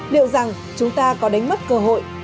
liệu rằng chúng ta có đánh mất cơ hội